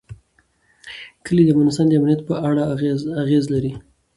کلي د افغانستان د امنیت په اړه اغېز لري.